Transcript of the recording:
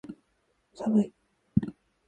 寒い